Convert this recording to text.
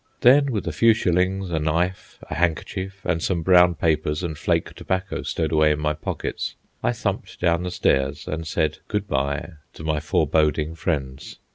Then, with a few shillings, a knife, a handkerchief, and some brown papers and flake tobacco stowed away in my pockets, I thumped down the stairs and said good bye to my foreboding friends.